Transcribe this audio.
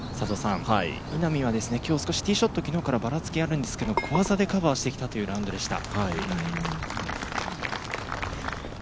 稲見は今日、昨日からティーショットでばらつきがあるんですけど、小技でカバーしてきたというラウンドでした。